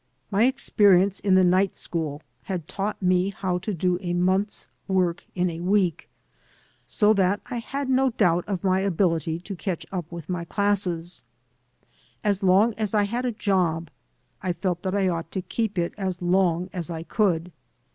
My experience in the night school had taught me how to do a month's work in a week, so that I had no doubt of my ability to catch up with my classes. As long as I had a job, I felt that I ought to keep it as long as I could.